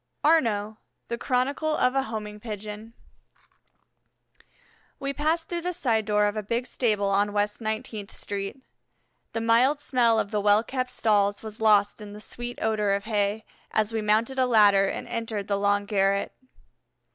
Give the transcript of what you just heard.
ARNAUX THE CHRONICLE OF A HOMING PIGEON We passed through the side door of a big stable on West Nineteenth Street. The mild smell of the well kept stalls was lost in the sweet odor of hay, as we mounted a ladder and entered the long garret.